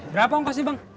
berapa uang kasih bang